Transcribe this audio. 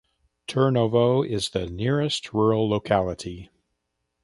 Turnovo is the nearest rural locality.